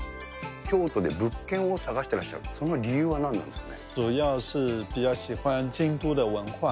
京都で物件を探してらっしゃる、その理由はなんなんですかね。